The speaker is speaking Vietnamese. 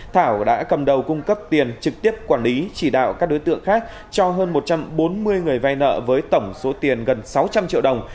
thảo đã cầm đầu cung cấp tiền trực tiếp quản lý chỉ đạo các đối tượng khác cho hơn một trăm bốn mươi người vay nợ với tổng số tiền gần sáu trăm linh triệu đồng